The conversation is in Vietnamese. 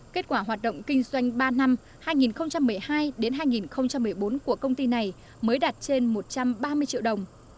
kết quả hoạt động kinh doanh ba năm hai nghìn một mươi hai hai nghìn một mươi bốn của công ty này mới đạt trên một trăm ba mươi triệu đồng